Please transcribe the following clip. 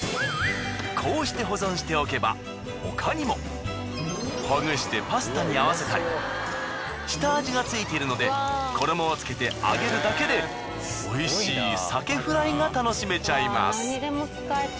こうして保存しておけば他にもほぐしてパスタにあわせたり下味がついているので衣をつけて揚げるだけでおいしい鮭フライが楽しめちゃいます。